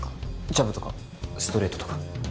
ジャブとかストレートとか。